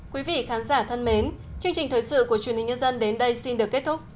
quý vị khán giả thân mến chương trình thời sự của truyền hình nhân dân đến đây xin được kết thúc